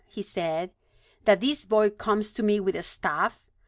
he said, "that this boy comes to me with a staff?